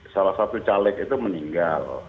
salah satu caleg itu meninggal